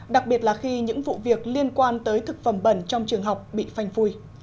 đặc biệt là khi những vụ việc liên quan tới thực phẩm bẩn trong trường học bị phanh phui